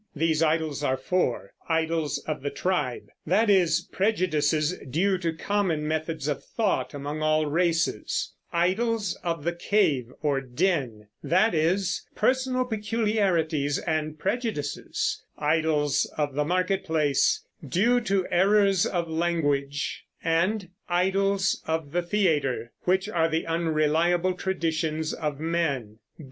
These "idols" are four: "idols of the tribe," that is, prejudices due to common methods of thought among all races; "idols of the cave or den," that is, personal peculiarities and prejudices; "idols of the market place," due to errors of language; and "idols of the theater," which are the unreliable traditions of men.